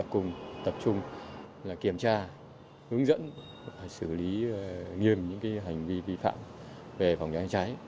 cũng tập trung là kiểm tra hướng dẫn và xử lý nghiêm những hành vi vi phạm về phòng cháy cháy